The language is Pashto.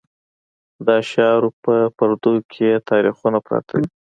د اشعارو په پردو کې یې تاریخونه پراته وي.